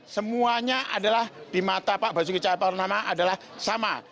semuanya adalah di mata pak basuki cahayapurnama adalah sama